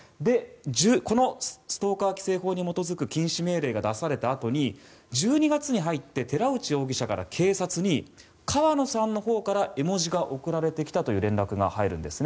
このストーカー規制法に基づく禁止命令が出されたあとに１２月に入って寺内容疑者から警察に川野さんのほうから絵文字が送られてきたという連絡が入るんですね。